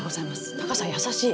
タカさん優しい！